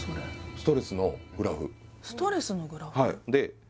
ストレスのグラフ？